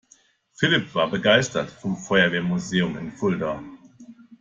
Philipp war begeistert vom Feuerwehrmuseum in Fulda.